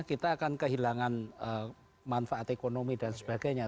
kita akan kehilangan manfaat ekonomi dan sebagainya